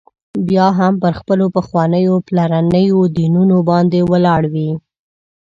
بیا هم پر خپلو پخوانیو پلرنيو دینونو باندي ولاړ وي.